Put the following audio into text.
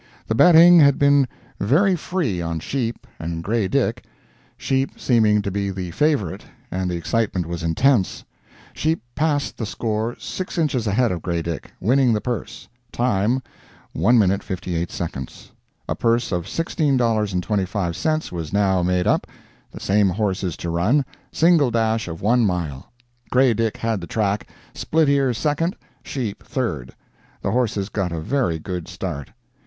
The betting had been very free on "Sheep" and "Grey Dick," "Sheep" seeming to be the favorite, and the excitement was intense. "Sheep" passed the score 6 inches ahead of "Grey Dick," winning the purse; time, 1:58. A purse of $16.25 was now made up, the same horses to run, single dash of one mile. "Grey Dick" had the track, "Split ear" second, "Sheep" third. The horses got a very good start.